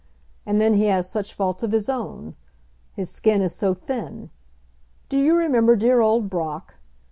And then he has such faults of his own! His skin is so thin. Do you remember dear old Brock?